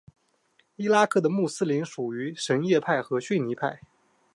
伊拉克的穆斯林属于什叶派和逊尼派。